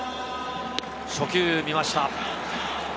初球、見ました。